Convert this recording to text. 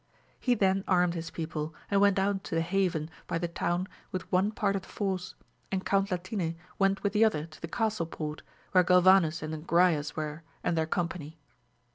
He then armed his people, and went out to the haven by the town with one part of the force, and Count Latine went with the other to the castle port, where Galvanes and Agrayes were and their company.